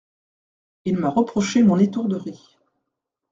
Il m'a reproché mon étourderie.